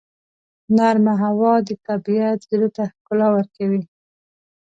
نرمه هوا د طبیعت زړه ته ښکلا ورکوي.